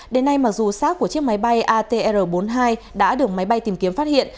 đến nay mặc dù xác của chiếc máy bay atr bốn mươi hai đã được máy bay tìm kiếm phát hiện